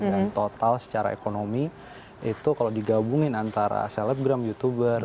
dan total secara ekonomi itu kalau digabungin antara selebgram youtuber